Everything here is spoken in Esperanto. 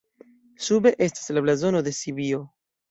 Sube estas la blazono de Sibio.